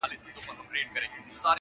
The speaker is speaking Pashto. سړې شپې يې تېرولې په خپل غار كي!!